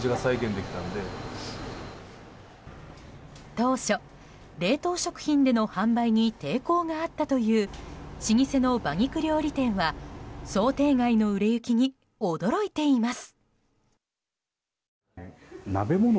当初、冷凍食品での販売に抵抗があったという老舗の馬肉料理店は想定外の売れ行きに驚いています。